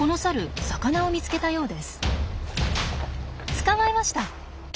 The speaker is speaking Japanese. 捕まえました。